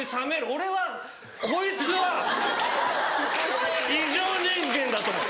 俺はこいつは異常人間だと思う。